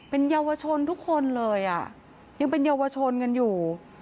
เป็นเยาวชนทุกคนเลยอ่ะยังเป็นเยาวชนกันอยู่